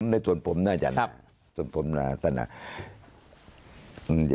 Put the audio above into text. ในส่วนผมนะครับ